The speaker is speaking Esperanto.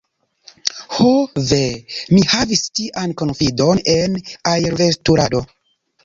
Ho ve! mi havis tian konfidon en aerveturado.